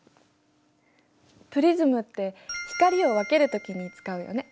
プリズムって光を分けるときに使うよね。